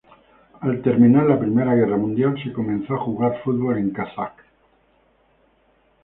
Al terminar la Primera Guerra Mundial se comenzó a jugar fútbol en Čačak.